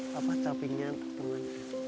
bapak capingnya untuk teman